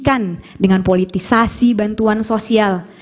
dan kemudian dikombinasikan dengan politisasi bantuan sosial